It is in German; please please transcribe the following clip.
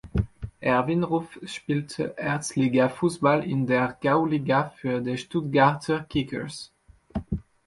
Erwin Ruf spielte Erstligafußball in der Gauliga für die Stuttgarter Kickers.